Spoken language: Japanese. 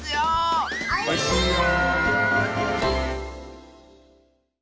おいしいよ！